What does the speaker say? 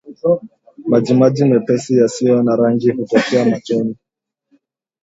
Majimaji mepesi yasiyo na rangi kutokea machoni